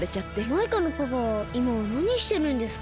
マイカのパパはいまはなにしてるんですか？